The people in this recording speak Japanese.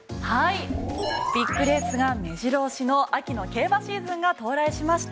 ビッグレースが目白押しの秋の競馬シーズンが到来しました。